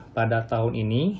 pada tahun ini